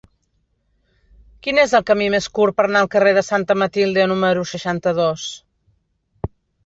Quin és el camí més curt per anar al carrer de Santa Matilde número seixanta-dos?